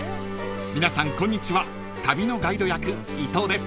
［皆さんこんにちは旅のガイド役伊藤です］